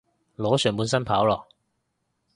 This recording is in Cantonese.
裸上半身跑囉